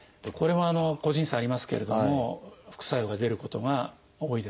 これは個人差ありますけれども副作用が出ることが多いですね。